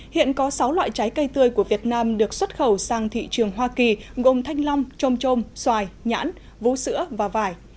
hiện có sáu loại trái cây tươi của việt nam được xuất khẩu sang thị trường hoa kỳ gồm thanh long trôm trôm xoài nhãn vú sữa và vải